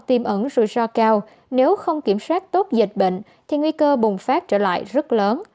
tìm ẩn rủi ro cao nếu không kiểm soát tốt dịch bệnh thì nguy cơ bùng phát trở lại rất lớn